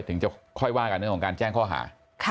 ถึงจะค่อยว่าการแจ้งข้อหา